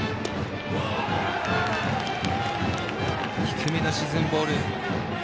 低めの沈むボール。